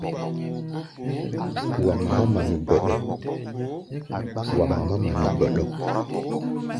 Wa mamá mami gbɔɗɔk.